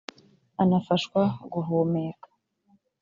anafashwa guhumeka